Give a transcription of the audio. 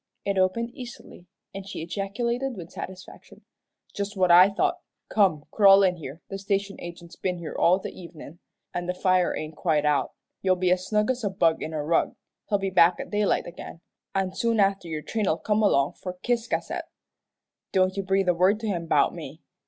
It opened easily, and she ejaculated with satisfaction, "Just what I thought. Come, crawl in here; the station agent's been here all the evenin', an' the fire ain't quite out. You'll be as snug as a bug in a rug. He'll be back at daylight agin, an' soon after your train'll come along for Ciscasset. Don't you breathe a word to him 'bout me.